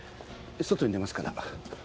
外に出ますから。